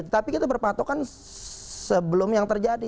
tapi kita berpatokan sebelum yang terjadi